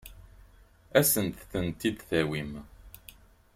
Ad asen-tent-id-tawim?